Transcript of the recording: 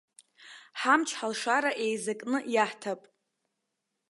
Ҳамч-ҳалшара еизакны иаҳҭап.